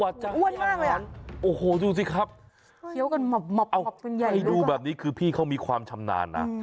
อ้าวอ้วนมากเลยอ่ะโอ้โหดูสิครับให้ดูแบบนี้คือพี่เขามีความชำนาญนะ